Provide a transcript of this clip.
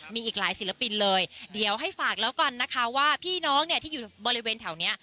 มีอีกหลายศิลปินเลยเดี๋ยวให้ฝากแล้วกันนะคะว่าพี่น้องเนี่ยที่อยู่บริเวณแถวนี้